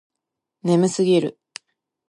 眠すぎる